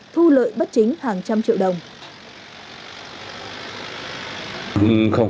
thu lợi bất chính hàng trăm triệu đồng